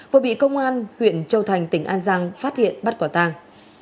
vừa bị công an huyện châu thành tỉnh an giang phát hiện bắt quả tàng